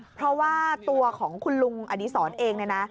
เพราะว่าตัวของคุณลุงอันนี้สอนเองนะ